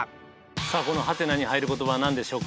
さあこのはてなに入る言葉は何でしょうか？